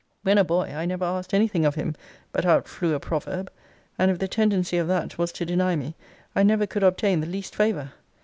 When a boy, I never asked anything of him, but out flew a proverb; and if the tendency of that was to deny me, I never could obtain the least favour.